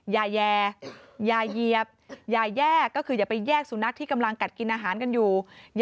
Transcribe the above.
อย่าแย่อย่าเหยียบอย่าแยกก็คืออย่าไปแยกสุนัขที่กำลังกัดกินอาหารกันอยู่